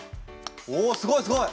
おおすごいすごい！